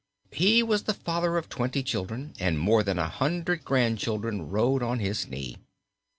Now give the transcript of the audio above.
He was the father of twenty children, and more than a hundred grandchildren rode on his knee.